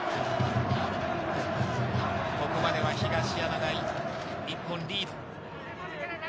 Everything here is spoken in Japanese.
ここまでは東山、１本リード。